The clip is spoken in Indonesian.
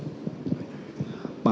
terima kasih pak